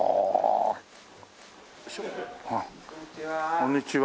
こんにちは。